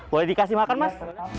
boleh dikasih makan mas